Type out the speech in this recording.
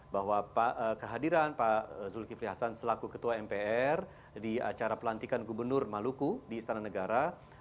bahwa kehadiran pak zulkifli hasan selaku ketua mpr di acara pelantikan gubernur maluku di istana negara